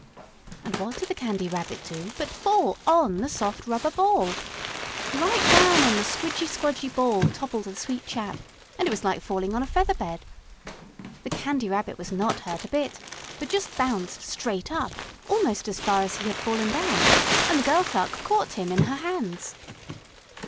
And what did the Candy Rabbit do but fall on the soft, rubber ball! Right down on the squidgy squdgy ball toppled the sweet chap, and it was like falling on a feather bed. The Candy Rabbit was not hurt a bit, but just bounced straight up, almost as far as he had fallen down, and the girl clerk caught him in her hands.